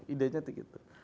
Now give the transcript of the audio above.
ide nya begitu